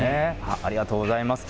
ありがとうございます。